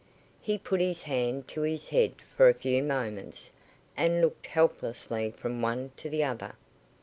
He put his hand to his head for a few moments and looked helplessly from one to the other.